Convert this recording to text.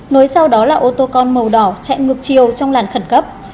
nối sau đó là ô tô con màu đỏ chạy ngược chiều trong làn khẩn cấp